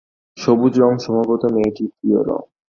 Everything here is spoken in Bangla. সবুজ রঙ সম্ভবত মেয়েটির প্রিয় রঙ।